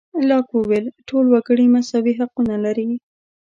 لاک وویل ټول وګړي مساوي حقونه لري.